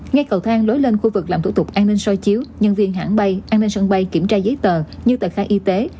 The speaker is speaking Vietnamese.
ngay cầu thang lối lên khu vực làm thủ tục an ninh soi chiếu nhân viên hãng bay em lên sân bay kiểm tra giấy tờ như tờ khai y tế